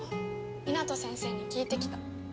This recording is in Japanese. ミナト先生に聞いてきた。